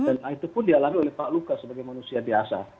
dan itu pun dialami oleh pak lukas sebagai manusia biasa